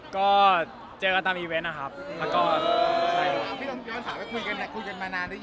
ก็เจอกันตามอีเว้นนะครับ